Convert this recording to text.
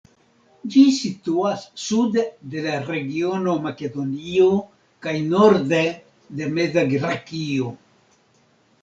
Ĝi situas sude de la regiono Makedonio kaj norde de Meza Grekio.